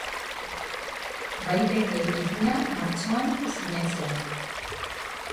Baliteke ituna martxoan sinatzea.